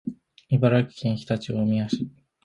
茨城県常陸大宮市